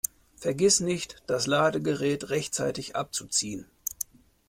Vergiss nicht, das Ladegerät rechtzeitig abzuziehen!